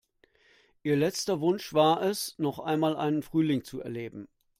Ihr letzter Wunsch war es, noch einmal einen Frühling zu erleben.